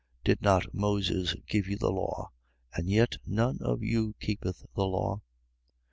7:19. Did not Moses give you the law, and yet none of you keepeth the law?